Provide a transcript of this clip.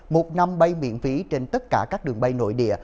một năm bay miễn phí trên tất cả các đường bay nội địa